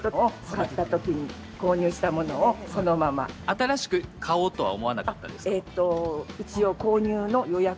新しく買おうとは思わなかったんですか？